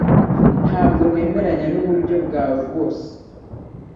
Ntabwo nemeranya nuburyo bwawe rwose.